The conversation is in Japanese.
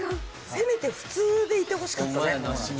せめて普通でいてほしかったね。